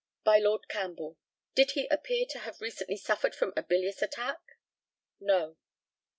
By Lord CAMPBELL: Did he appear to have recently suffered from a bilious attack? No.